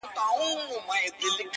دارو د پوهي وخورﺉ کنې عقل به مو وخوري,